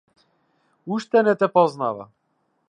Уште не те познава.